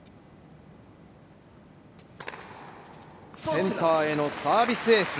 センターへのサービスエース。